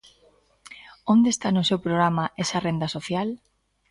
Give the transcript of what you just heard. ¿Onde está no seu programa esa renda social?